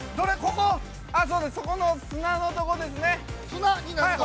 ◆ここの砂のところですね。